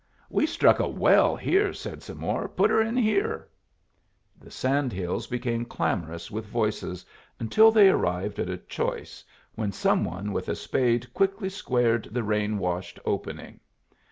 "We've struck a well here," said some more. "Put her in here." The sand hills became clamorous with voices until they arrived at a choice, when some one with a spade quickly squared the rain washed opening.